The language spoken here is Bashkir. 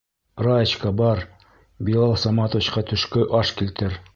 Раечка, бар, Билал Саматовичҡа төшкә аш килтер.